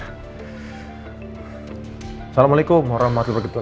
assalamualaikum warahmatullahi wabarakatuh